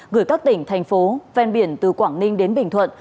gửi các tỉnh thành phố ven biển từ quảng ninh đến bình thuận